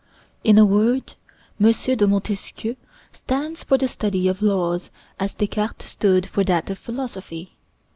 In a word, M. de Montesquieu stands for the study of laws, as Descartes stood for that of philosophy.